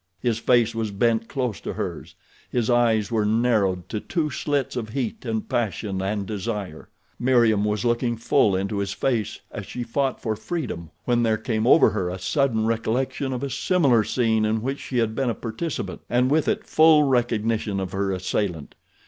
His face was bent close to hers. His eyes were narrowed to two slits of heat and passion and desire. Meriem was looking full into his face as she fought for freedom when there came over her a sudden recollection of a similar scene in which she had been a participant and with it full recognition of her assailant.